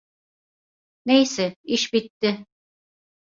Neyse, iş bitti…